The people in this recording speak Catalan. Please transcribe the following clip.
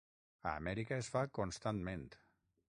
A Amèrica es fa constantment.